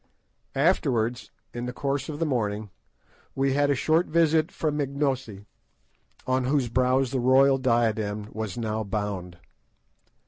Afterwards, in the course of the morning, we had a short visit from Ignosi, on whose brows the royal diadem was now bound.